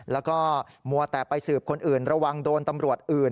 แล้วก็มัวแต่ไปสืบคนอื่นระวังโดนตำรวจอื่น